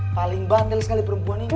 paling bantel sekali perempuan ini